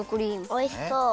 おいしそう！